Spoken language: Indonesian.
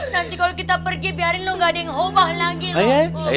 nanti kalau kita pergi biarin lo gak ada yang ngobah lagi